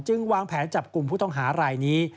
วางแผนจับกลุ่มผู้ต้องหารายนี้